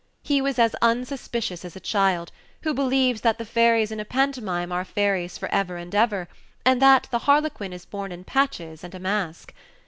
He was as unsuspicious as a child, who believes that the fairies in a pantomime are fairies for ever and ever, and that the harlequin is born in patches and a mask.